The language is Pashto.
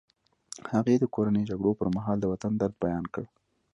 هغې د کورنیو جګړو پر مهال د وطن درد بیان کړ